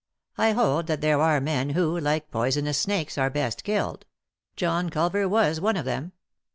I hold that there are men who, like poisonous snakes, are best killed. John Culver was one of them.